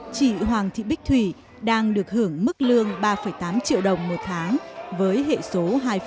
chị hoàng thị bích thủy đang được hưởng mức lương ba tám triệu đồng một tháng với hệ số hai bốn mươi sáu